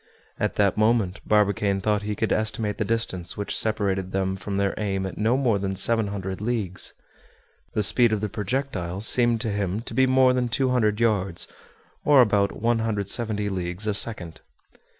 At that moment Barbicane thought he could estimate the distance which separated them from their aim at no more than 700 leagues. The speed of the projectile seemed to him to be more than 200 yards, or about 170 leagues a second.